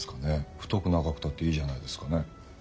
太く長くたっていいじゃないですかね？